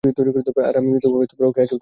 আর আমি ওকে আগেও দেখেছি।